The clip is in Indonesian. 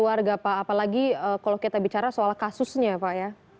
apalagi kalau kita bicara soal kasusnya pak ya